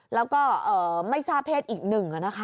แล้วก็ไม่ทราบเพศอีกหนึ่ง